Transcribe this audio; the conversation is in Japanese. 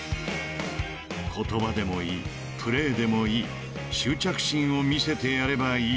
［言葉でもいいプレーでもいい執着心を見せてやればいい］